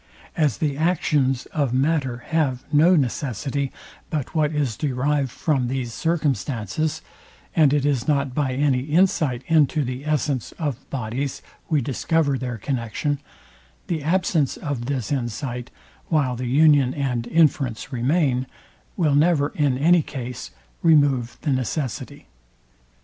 As the actions of matter have no necessity, but what is derived from these circumstances, and it is not by any insight into the essence of bodies we discover their connexion, the absence of this insight, while the union and inference remain, will never, in any case, remove the necessity.